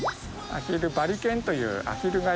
アヒルバリケンというアヒルがいました。